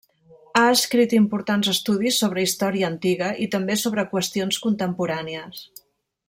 Ha escrit importants estudis sobre història antiga i també sobre qüestions contemporànies.